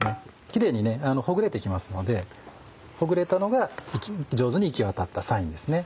キレイにほぐれて来ますのでほぐれたのが上手に行き渡ったサインですね。